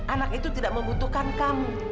anak itu tidak membutuhkan kamu